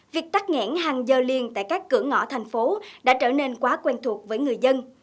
việc tắt nghẽn hàng giờ liền tại các cửa ngõ thành phố đã trở nên quá quen thuộc với người dân